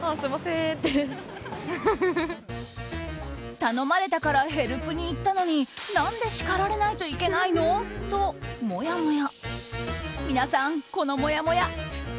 頼まれたからヘルプに行ったのに何で叱られないといけないの？と、もやもや。